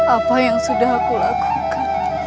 apa yang sudah aku lakukan